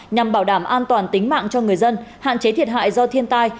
nhằm bảo đảm an toàn tính mạng cho người dân hạn chế thiệt hại do thiên tai